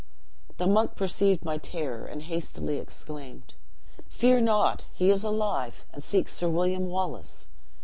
"The monk perceived my terror, and hastily exclaimed. 'Fear not! he is alive, and seeks Sir William Wallace.